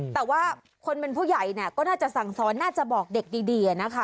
แต่ว่าคนเป็นผู้ใหญ่เนี่ยก็น่าจะสั่งสอนน่าจะบอกเด็กดีนะคะ